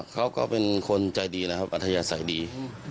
เขาก็เป็นคนใจดีนะครับอัธยาศัยดี